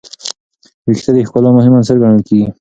ویښتې د ښکلا مهم عنصر ګڼل کېږي.